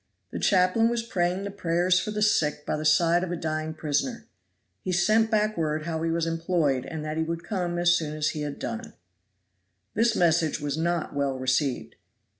The chaplain was praying the prayers for the sick by the side of a dying prisoner. He sent back word how he was employed, and that he would come as soon as he had done. This message was not well received.